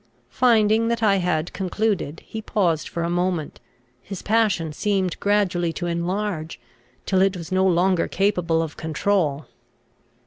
Finding that I had concluded, he paused for a moment; his passion seemed gradually to enlarge, till it was no longer capable of control.